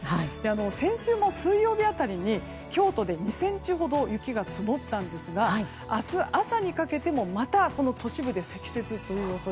先週も水曜日辺りに京都で２ｃｍほど雪が積もったんですが明日朝にかけてもまた、都市部で積雪の恐れ